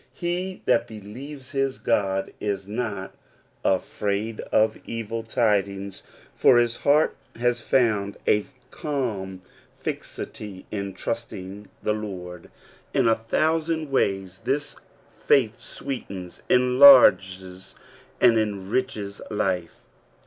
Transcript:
He that believes his God is not afraid of evil io6 According to the Promise. tidings, for his heart has found a calm fixi trusting in the Lord. In a thousand ways faith sweetens, enlarges, and enriches life.